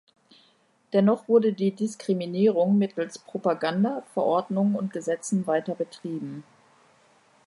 Dennoch wurde die Diskriminierung mittels Propaganda, Verordnungen und Gesetzen weiter betrieben.